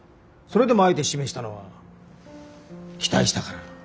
それでもあえて指名したのは期待したから。